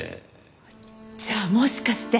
じゃあもしかして。